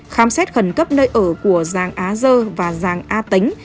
khám xét khẩn cấp nơi ở của giàng a dơ và giàng a tánh